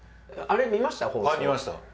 あれ見ました？